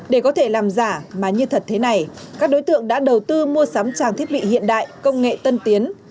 để có thể làm giả mà như thật thế này các đối tượng đã đầu tư mua sắm trang thiết bị hiện đại công nghệ tân tiến